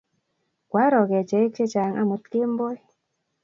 Kwaro kecheik chechang' amut kemboi